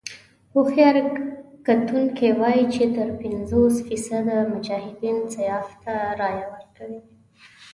هوښیار کتونکي وايي چې تر پينځوس فيصده مجاهدين سیاف ته رايه ورکوي.